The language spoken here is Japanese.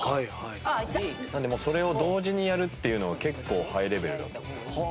なのでそれを同時にやるっていうのは結構ハイレベルだと思います。